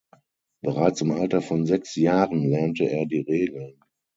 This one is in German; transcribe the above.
Bereits im Alter von sechs Jahren lernte er die Regeln.